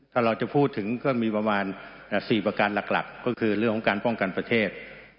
ถ้าเราจะพูดถึงก็มีประมาณ๔ประการหลักก็คือเรื่องของการป้องกันประเทศ